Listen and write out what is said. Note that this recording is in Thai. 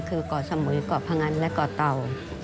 คือก่อสมุยก่อพังอันและก่อเต่า